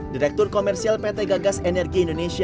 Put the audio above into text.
direktur komersial pt gas juli mengaku bajai itu ikonik indonesia